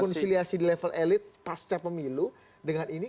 rekonsiliasi di level elit pasca pemilu dengan ini